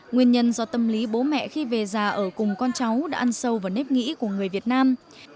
nguyên nhân do tâm lý bố mẹ khi về già ở cùng con cháu đã ăn sâu vào nếp nghĩ của người việt nam